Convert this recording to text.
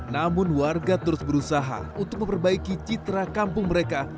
namun warga terus berusaha untuk memperbaiki citra kampung mereka